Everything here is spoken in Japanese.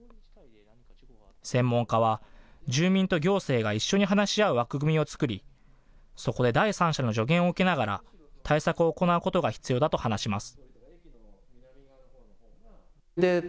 専門家は住民と行政が一緒に話し合う枠組みを作り、そこで第三者の助言を受けながら対策を行うことが必要だと話します。